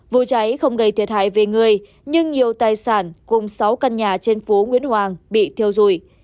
vụ cháy không gây thiệt hại về người nhưng nhiều tài sản cùng sáu căn nhà trên phố nguyễn hoàng bị thiêu dụi